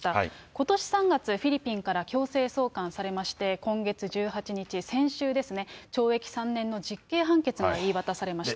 ことし３月、フィリピンから強制送還されまして、今月１８日、先週ですね、懲役３年の実刑判決が言い渡されました。